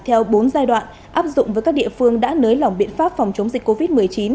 theo bốn giai đoạn áp dụng với các địa phương đã nới lỏng biện pháp phòng chống dịch covid một mươi chín